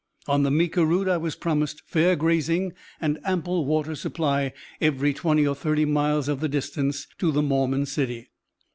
On the Meeker route I was promised fair grazing and ample water supply every twenty or thirty miles of the distance to the Mormon City.